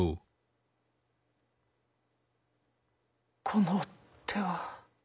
「この手は」。